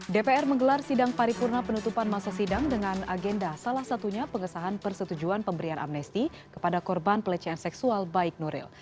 dpr menggelar sidang paripurna penutupan masa sidang dengan agenda salah satunya pengesahan persetujuan pemberian amnesti kepada korban pelecehan seksual baik nuril